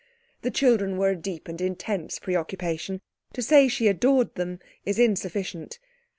The children were a deep and intense preoccupation. To say she adored them is insufficient.